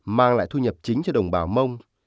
mang lại thu nhập chính cho đồng bào mông